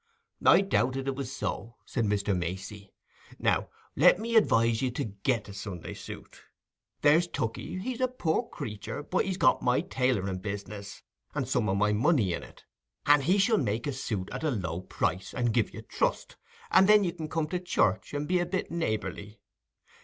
"I doubted it was so," said Mr. Macey. "Now, let me advise you to get a Sunday suit: there's Tookey, he's a poor creatur, but he's got my tailoring business, and some o' my money in it, and he shall make a suit at a low price, and give you trust, and then you can come to church, and be a bit neighbourly.